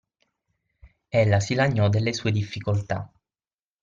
Ella si lagnò delle sue difficoltà.